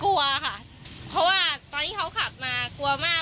กลัวค่ะเพราะว่าตอนที่เขาขับมากลัวมาก